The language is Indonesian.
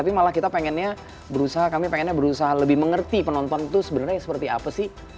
tapi malah kita pengennya berusaha kami pengennya berusaha lebih mengerti penonton itu sebenarnya seperti apa sih